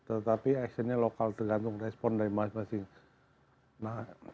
tetapi actionnya lokal tergantung respon dari masing masing